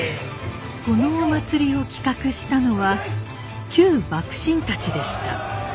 このお祭りを企画したのは旧幕臣たちでした。